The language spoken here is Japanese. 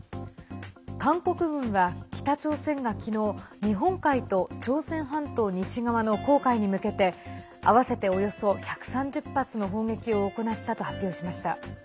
韓国軍は、北朝鮮が昨日日本海と朝鮮半島西側の黄海に向けて合わせておよそ１３０発の砲撃を行ったと発表しました。